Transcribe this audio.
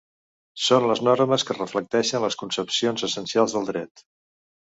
Són les normes que reflecteixen les concepcions essencials del dret.